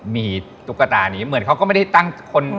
มีตุ๊กตานี้เหมือนเขาก็ไม่ได้ตั้งคน